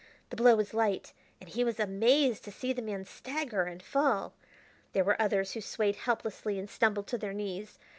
The blow was light, and he was amazed to see the man stagger and fall. There were others who swayed helplessly and stumbled to their knees.